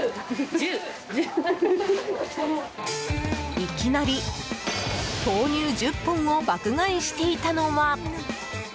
いきなり豆乳１０本を爆買いしていたのは。